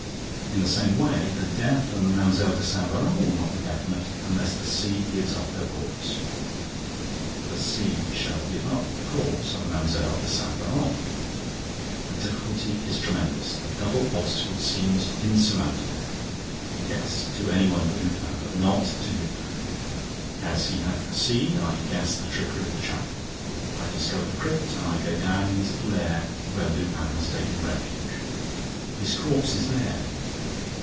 _ In the same way, the death of Mlle. de Saint Véran will not be definite, unless the sea gives up her corpse. The sea shall give up the corpse of Mlle. de Saint Véran. The difficulty is tremendous. The double obstacle seems insurmountable. Yes, to any one but Lupin, but not to Lupin. As he had foreseen, I guess the trickery of the chapel, I discover the crypt and I go down into the lair where Lupin has taken refuge. His corpse is there!